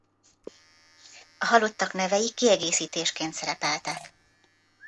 A halottak nevei kiegészítésként szerepeltek.